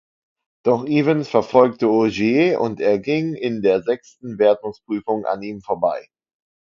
Doch Evans verfolgte Ogier und er ging in der sechsten Wertungsprüfung an ihm vorbei.